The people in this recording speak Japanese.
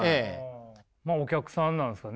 まあお客さんなんですかね。